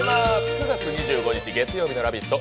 ９月２５日月曜日の「ラヴィット！」